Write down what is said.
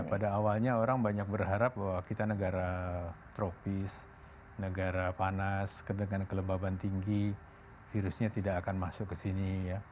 pada awalnya orang banyak berharap bahwa kita negara tropis negara panas dengan kelebaban tinggi virusnya tidak akan masuk ke sini